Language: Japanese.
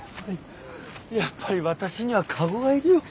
やっぱり私には駕籠がいるよ。